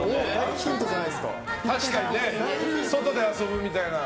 確かにね、外で遊ぶみたいな。